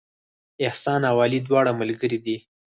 احسان او علي دواړه ملګري دي